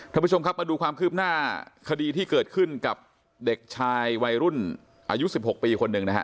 ท่านผู้ชมครับมาดูความคืบหน้าคดีที่เกิดขึ้นกับเด็กชายวัยรุ่นอายุ๑๖ปีคนหนึ่งนะฮะ